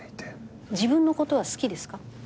自分のことは好きですか？